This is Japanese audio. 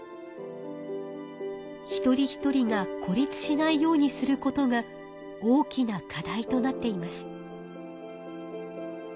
一人一人が孤立しないようにすることが大きな課題となっています。